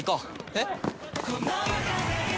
えっ？